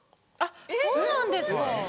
そうなんですか。